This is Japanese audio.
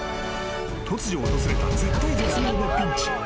突如訪れた絶体絶命のピンチ。